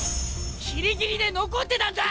ギリギリで残ってたんだ！